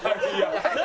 何？